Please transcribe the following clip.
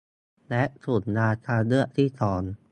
และกลุ่มยาทางเลือกที่สอง